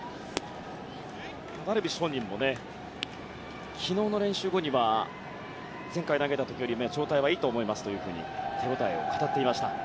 ダルビッシュ本人も昨日の練習後には前回投げた時よりも状態はいいと思いますと手応えを語っていました。